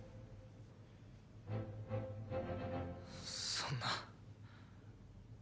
そんな。